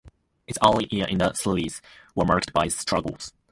Its early years in the series were marked by struggles.